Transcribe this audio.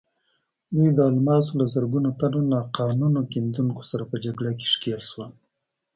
دوی د الماسو له زرګونو تنو ناقانونه کیندونکو سره په جګړه کې ښکېل شول.